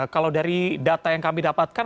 kalau dari data yang kami dapatkan